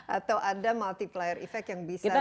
atau ada multiplier effect yang bisa dilakukan